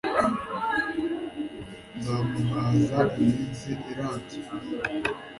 nzamuhaza iminsi irambye